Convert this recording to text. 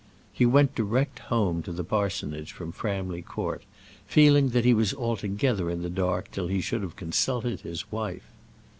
He went direct home to the parsonage from Framley Court, feeling that he was altogether in the dark till he should have consulted his wife.